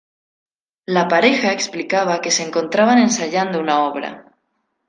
La pareja explicaba que se encontraban ensayando una obra.